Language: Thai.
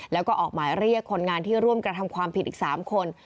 แล้วก็ออกหมายเรียกคนงานที่ร่วมกระทำความผิดอีก๓คน